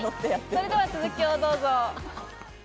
それでは続きをどうぞ。